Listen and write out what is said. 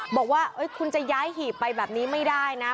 บอกว่าคุณจะย้ายหีบไปแบบนี้ไม่ได้นะ